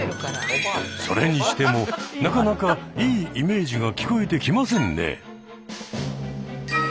それにしてもなかなかいいイメージが聞こえてきませんねえ。